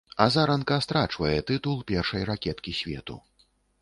Азаранка страчвае тытул першай ракеткі свету.